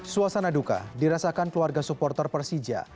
suasana duka dirasakan keluarga supporter persija